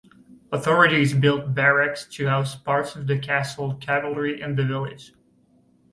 Authorities built barracks to house parts of the castle cavalry in the village.